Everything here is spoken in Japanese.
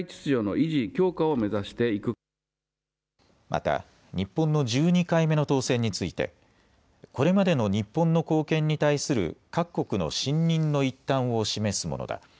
また日本の１２回目の当選についてこれまでの日本の貢献に対する各国の信認の一端を示すものだ。